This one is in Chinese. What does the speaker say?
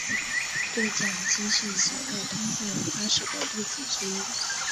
对讲机是此类通信方式的例子之一。